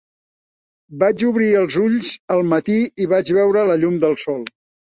Vaig obrir els ulls al matí i vaig veure la llum del sol.